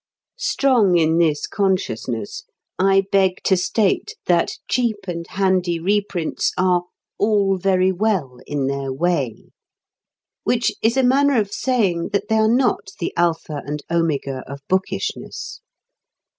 Strong in this consciousness, I beg to state that cheap and handy reprints are "all very well in their way" which is a manner of saying that they are not the Alpha and Omega of bookishness.